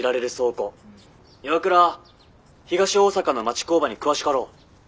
岩倉東大阪の町工場に詳しかろう？